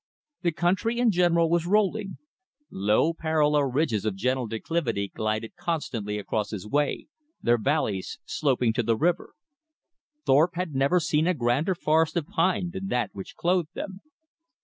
The country in general was rolling. Low parallel ridges of gentle declivity glided constantly across his way, their valleys sloping to the river. Thorpe had never seen a grander forest of pine than that which clothed them.